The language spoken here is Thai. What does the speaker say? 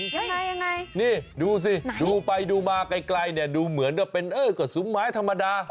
ยังไงนี่ดูสิดูไปดูมาไกลเนี่ยดูเหมือนกับเป็นเออก็ซุ้มไม้ธรรมดา